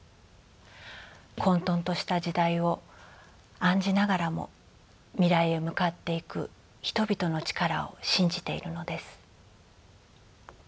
混とんとした時代を案じながらも未来へ向かっていく人々の力を信じているのです。